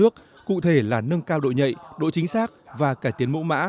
cụ thể là nâng cao độ nhạy độ chính xác và cải tiến mẫu mã